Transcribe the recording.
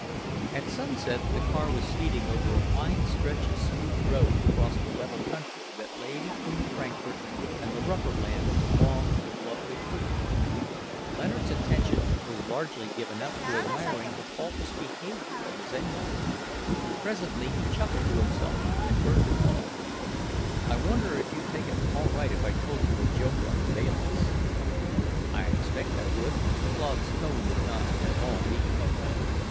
At sunset the car was speeding over a fine stretch of smooth road across the level country that lay between Frankfort and the rougher land along Lovely Creek. Leonard's attention was largely given up to admiring the faultless behaviour of his engine. Presently he chuckled to himself and turned to Claude. "I wonder if you'd take it all right if I told you a joke on Bayliss?" "I expect I would." Claude's tone was not at all eager.